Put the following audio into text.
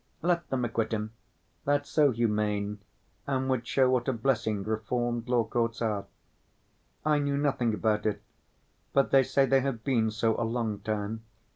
Let them acquit him—that's so humane, and would show what a blessing reformed law courts are. I knew nothing about it, but they say they have been so a long time.